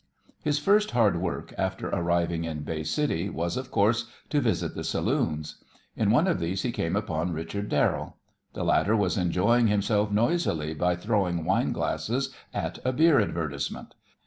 His first hard work, after arriving in Bay City, was, of course, to visit the saloons. In one of these he came upon Richard Darrell. The latter was enjoying himself noisily by throwing wine glasses at a beer advertisement.